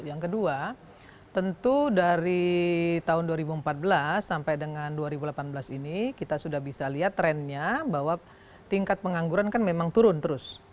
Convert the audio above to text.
yang kedua tentu dari tahun dua ribu empat belas sampai dengan dua ribu delapan belas ini kita sudah bisa lihat trennya bahwa tingkat pengangguran kan memang turun terus